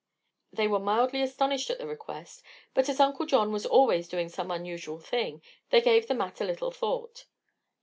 They were mildly astonished at the request, but as Uncle John was always doing some unusual thing they gave the matter little thought.